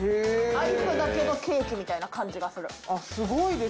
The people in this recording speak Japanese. アイスだけどケーキみたいな感じがする。